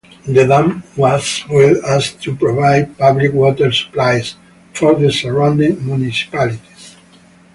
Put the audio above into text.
The dam was built as to provide public water supplies for the surrounding municipalities.